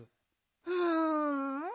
うん。